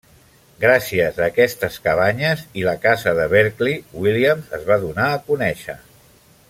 Gràcies a aquestes cabanyes i la casa de Berkeley Williams es va donar a conèixer.